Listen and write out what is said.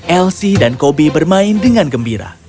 elsi dan kobi bermain dengan gembira